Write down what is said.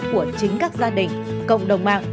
của chính các gia đình cộng đồng mạng